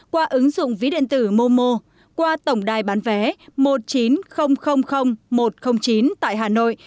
qua ứng dụng ví điện tử momo qua tổng đài bán vé một triệu chín trăm linh nghìn một trăm linh chín tại hà nội